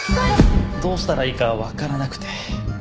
どうしたらいいかわからなくて。